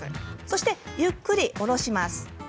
そして、ゆっくり下ろします。